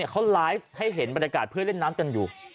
เขาไลฟ์ให้เห็นบรรยากาศเพื่อนเล่นน้ำกันอยู่